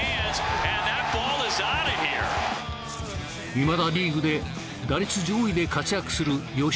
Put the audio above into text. いまだリーグで打率上位で活躍する吉田正尚。